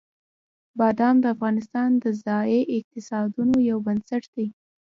بادام د افغانستان د ځایي اقتصادونو یو بنسټ دی.